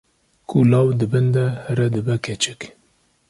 ku law di bin de here dibe keçik